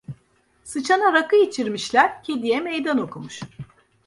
Sıçana rakı içirmişler, kediye meydan okumuş.